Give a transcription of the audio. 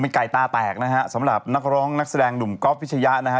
ไก่ตาแตกนะฮะสำหรับนักร้องนักแสดงหนุ่มก๊อฟพิชยะนะฮะ